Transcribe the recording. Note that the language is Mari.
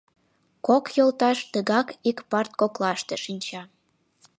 Кок йолташ тыгак ик парт коклаште шинча.